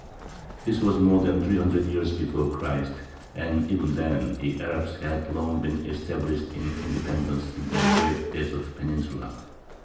This was more than three hundred years before Christ, and even then the Arabs had long been established in independence in their great desert peninsula.